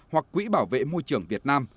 hoặc quỹ bảo vệ môi trường việt nam